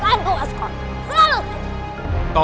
kenapa saya berdua masih muda